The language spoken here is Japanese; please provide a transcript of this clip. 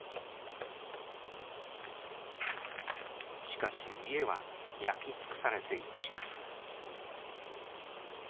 しかし家は焼き尽くされていました。